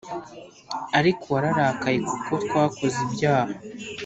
ariko wararakaye kuko twakoze ibyaha